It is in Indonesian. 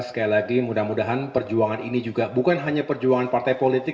sekali lagi mudah mudahan perjuangan ini juga bukan hanya perjuangan partai politik